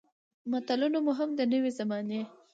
متلونه مو هم د نوې زمانې